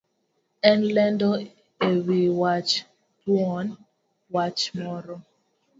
En lendo ewi wach thuon wach moro.